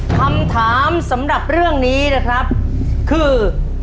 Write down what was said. คำถามสำหรับเรื่องนี้นะครับคือ